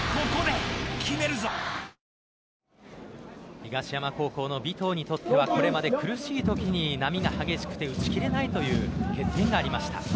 東山高校の尾藤にとってはこれまで苦しいときに波が激しくて打ち切れないという欠点がありました。